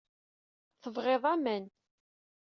Tebɣiḍ aman.